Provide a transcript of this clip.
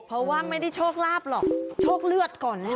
เพราะว่าไม่ได้โชคลาภหรอกโชคเลือดก่อนแล้ว